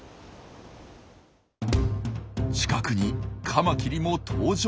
近くにカマキリも登場。